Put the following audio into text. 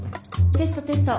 テストテスト。